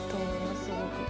すごく。